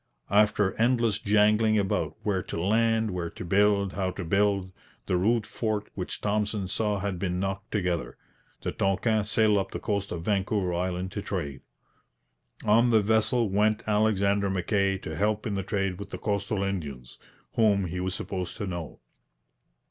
After endless jangling about where to land, where to build, how to build, the rude fort which Thompson saw had been knocked together. The Tonquin sailed up the coast of Vancouver Island to trade. On the vessel went Alexander Mackay to help in the trade with the coastal Indians, whom he was supposed to know.